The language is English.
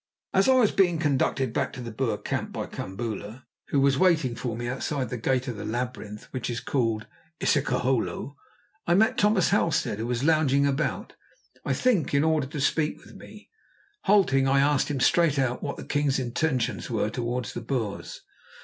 As I was being conducted back to the Boer camp by Kambula, who was waiting for me outside the gate of the labyrinth which is called isiklohlo, I met Thomas Halstead, who was lounging about, I think in order to speak with me. Halting, I asked him straight out what the king's intentions were towards the Boers.